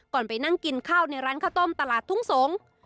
ไปนั่งกินข้าวในร้านข้าวต้มตลาดทุ่งสงศ์